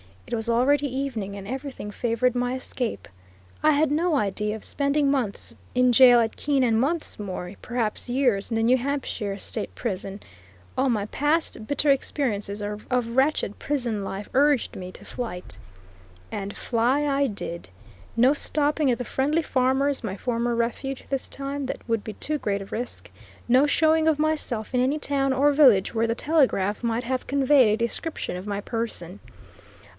It was already evening, and everything favored my escape. I had no idea of spending months in jail at Keene, and months more, perhaps years, in the New Hampshire State Prison. All my past bitter experiences of wretched prison life urged me to flight. And fly I did. No stopping at the friendly farmer's, my former refuge, this time; that would be too great a risk. No showing of myself in any town or village where the telegraph might have conveyed a description of my person.